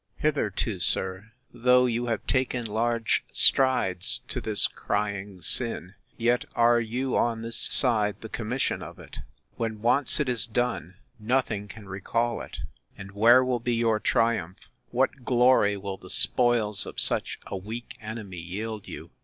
Hitherto, sir, though you have taken large strides to this crying sin, yet are you on this side the commission of it.—When once it is done, nothing can recall it! And where will be your triumph?—What glory will the spoils of such a weak enemy yield you?